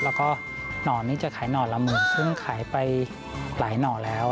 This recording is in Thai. แล้วก็หน่อนี้จะขายหน่อละหมื่นซึ่งขายไปหลายหน่อแล้ว